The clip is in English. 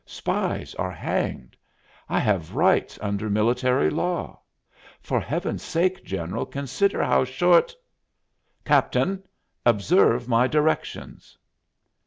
Spies are hanged; I have rights under military law. For Heaven's sake, General, consider how short " "Captain, observe my directions."